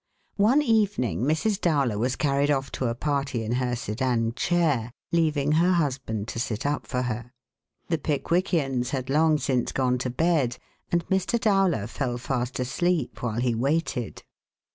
One evening Mrs. Dowler was carried off to a party in her sedan chair, leaving her husband to sit up for her. The Pickwickians had long since gone to bed, and Mr. Dowler fell fast asleep while he waited.